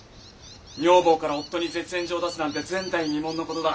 女房から夫に絶縁状を出すなんて前代未聞の事だ。